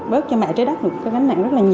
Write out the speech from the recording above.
bớt cho mẹ trái đất được